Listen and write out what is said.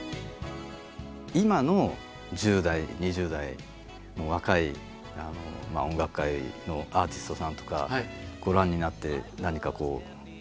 今の１０代２０代若い音楽界のアーティストさんとかご覧になって何か思うこととか。